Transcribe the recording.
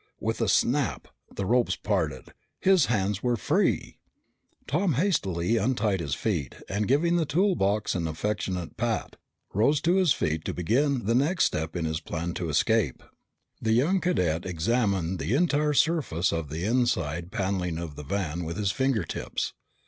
With a snap, the ropes parted. His hands were free! Tom hastily untied his feet, and giving the toolbox an affectionate pat, rose to his feet to begin the next step in his plan to escape. The young cadet examined the entire surface of the inside paneling of the van with his finger tips.